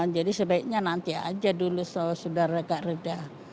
jadi sebaiknya nanti aja dulu sudah agak reda